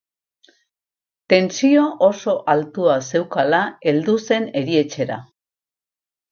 Tentsio oso altua zeukala heldu zer erietxera.